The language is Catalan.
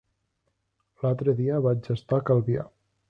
L'altre dia vaig estar a Calvià.